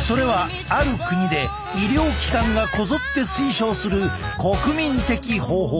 それはある国で医療機関がこぞって推奨する国民的方法。